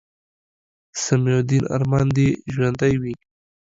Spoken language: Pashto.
سمیع الدین ارمان دې ژوندے وي